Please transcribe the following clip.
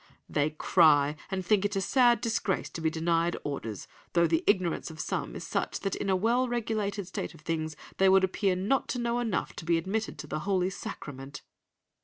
"They cry, and think it a sad disgrace to be denied Orders, though the ignorance of some is such that in a well regulated state of things they would appear not to know enough to be admitted to the Holy Sacrament."